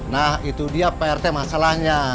nah itu dia pak rt masalahnya